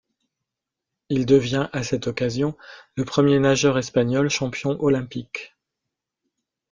Il devient à cette occasion le premier nageur espagnol champion olympique.